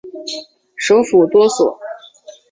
首府多索。